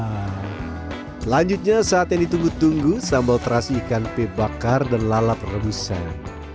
selanjutnya saat yang ditunggu tunggu sambal terasi ikan pebakar dan lalat rebusan